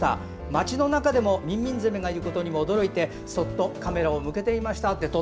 街の中でもミンミンゼミがいることに驚いてそっとカメラを向けてみました。